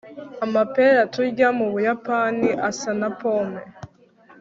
amapera turya mu buyapani asa na pome